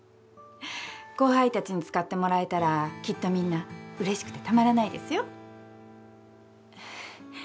後輩たちに使ってもらえたらきっとみんなうれしくてたまらないですよ。